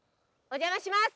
お邪魔します。